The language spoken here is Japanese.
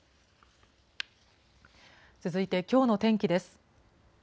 続いてきょうの天気です。